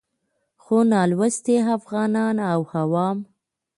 خو نالوستي افغانان او عوام